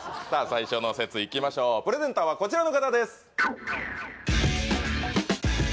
最初の説いきましょうプレゼンターはこちらの方です